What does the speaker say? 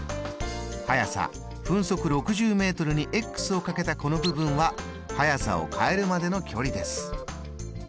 速さ分速６０ｍにかけたこの部分は速さを変えるまでの距離です。